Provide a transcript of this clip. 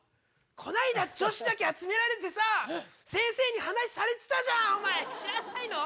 この間、女子だけ集められてさ、先生に話しされてたじゃん、お前、知らないの？